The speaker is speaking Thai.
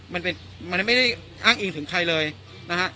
มันเป็นมันไม่ได้อ้างอิงถึงใครเลยนะฮะ